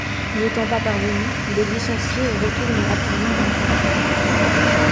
N'y étant pas parvenu, il est licencié et retourne rapidement en Argentine.